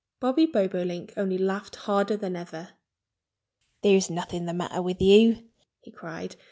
Bobby Bobolink only laughed harder than ever. "There's nothing the matter with you!" he cried.